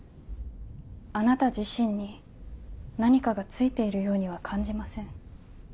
あなた自身に何かが憑いているようには感じません。